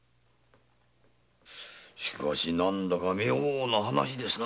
しかし何だか妙な話ですな。